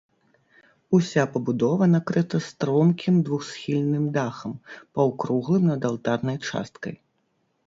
Уся пабудова накрыта стромкім двухсхільным дахам, паўкруглым над алтарнай часткай.